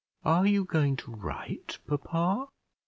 "Are you going to write, papa?"